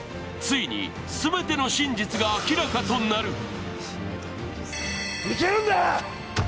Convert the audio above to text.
ついに全ての真実が明らかとなる。